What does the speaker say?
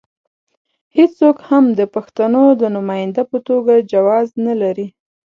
هېڅوک هم د پښتنو د نماینده په توګه جواز نه لري.